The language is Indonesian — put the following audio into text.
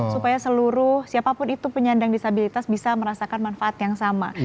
supaya seluruh siapapun itu penyandang disabilitas bisa merasakan manfaat yang sama